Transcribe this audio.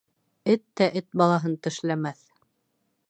Эт тә эт балаһын тешләмәҫ.